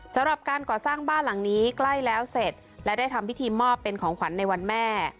สำหรับการก่อสร้างบ้านหลังนี้ใกล้แล้วเสร็จและได้ทำพิธีมอบเป็นของขวัญในวันแม่